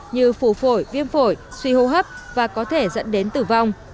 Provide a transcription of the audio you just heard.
như phủ phổi viêm phổi suy hô hấp và có thể dẫn đến tử vong